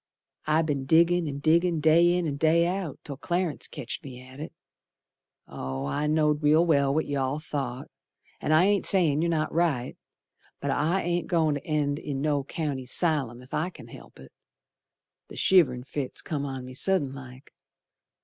I be'n diggin' and diggin' day in and day out Till Clarence ketched me at it. Oh, I know'd real well what you all thought, An' I ain't sayin' you're not right, But I ain't goin' to end in no county 'sylum If I c'n help it. The shiv'rin' fits come on me sudden like.